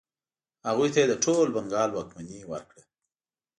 هغوی ته یې د ټول بنګال واکمني ورکړه.